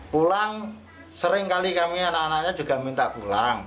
pulang sering kali kami anak anaknya juga minta pulang